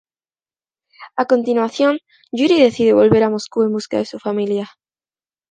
A continuación, Yuri decide volver a Moscú en busca de su familia.